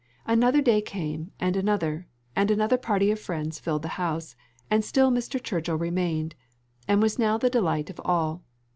And another day came, and another, and another party of friends filled the house, and still Mr. Churchill remained, and was now the delight of all.